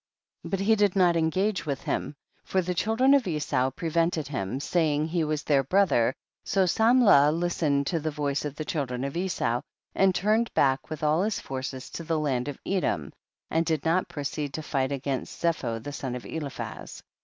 4. But he did not engage with him, for the children of Esau prevented him, saying he was their brother, so Samlah listened to the voice of the children of Esau, and turned back with all his forces to the land of Edom, and did not proceed to fight against Zepho the son of Eliphaz.